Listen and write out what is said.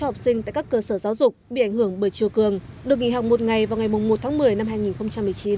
học sinh tại các cơ sở giáo dục bị ảnh hưởng bởi chiều cường được nghỉ học một ngày vào ngày một tháng